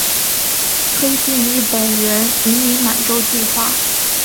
推进日本人移民满洲计划。